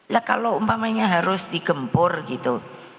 lah kalau umpamanya harus digempur gitu